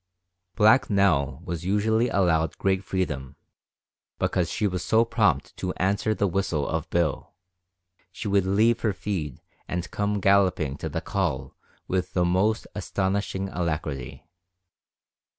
Black Nell was usually allowed great freedom, because she was so prompt to answer the whistle of Bill; she would leave her feed and come galloping to the call with the most astonishing alacrity.